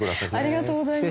ありがとうございます。